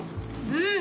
うん！